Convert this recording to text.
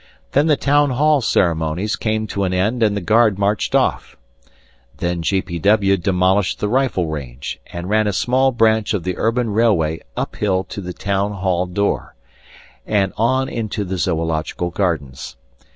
Then the town hall ceremonies came to an end and the guard marched off. Then G. P. W. demolished the rifle range, and ran a small branch of the urban railway uphill to the town hall door, and on into the zoological gardens.